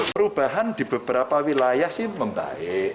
perubahan di beberapa wilayah sih membaik